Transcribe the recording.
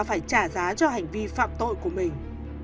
phải trả giá cho hành vi phạm tội của mình